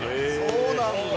そうなんだ。